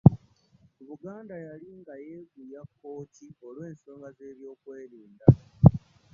Buganda yali nga yeeguya Kkooki olw’ensonga z’ebyokwerinda.